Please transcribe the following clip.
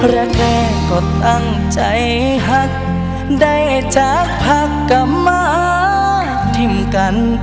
และแก่ก็ตั้งใจหักได้จากพักกะมาทิมกัน